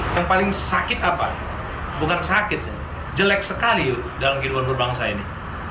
yang paling sakit apa bukan sakit jelek sekali dalam kehidupan berbangsa ini